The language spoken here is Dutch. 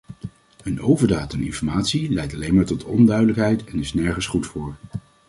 Een overdaad aan informatie leidt alleen maar tot onduidelijkheid en is nergens goed voor.